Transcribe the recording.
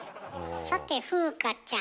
さて風花ちゃん。